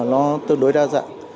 nó tương đối đa dạng